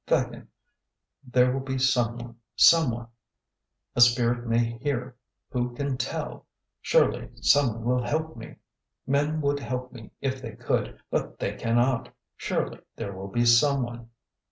'Thakin, there will be Someone, Someone. A Spirit may hear. Who can tell? Surely someone will help me? Men would help me if they could, but they cannot; surely there will be someone?'